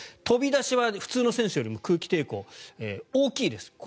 飛び出しは普通の選手よりも空気抵抗大きいです。